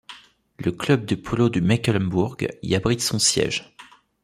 Le club de polo du Mecklembourg y abrite son siège.